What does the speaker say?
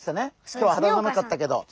今日ははだ寒かったけど。